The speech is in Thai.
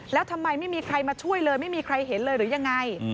แล้วทำไมไม่มีใครมาช่วยเลยไม่มีใครเห็นเลยหรือยังไง